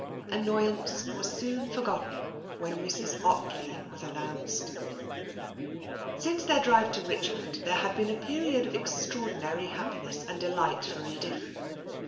Annoyance was soon forgotten when Mrs Ottley was announced. Since their drive to Richmond there had been a period of extraordinary happiness and delight for Edith.